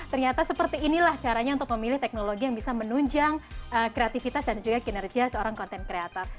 ternyata seperti inilah caranya untuk memilih teknologi yang bisa menunjang kreativitas dan juga kinerja seorang content creator